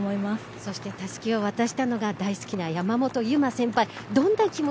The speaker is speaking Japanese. そしてたすきを渡したのは大好きな山本有真先輩